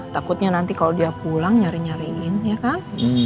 takutnya nanti kalau dia pulang nyari nyariin ya kan